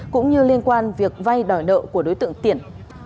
cũng như liên quan việc vay đòi nợ của đối tượng tiện